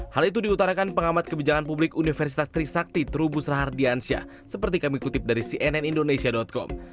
hal itu diutarakan pengamat kebijakan publik universitas trisakti trubus rahardiansyah seperti kami kutip dari cnn indonesia com